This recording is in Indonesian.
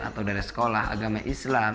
atau dari sekolah agama islam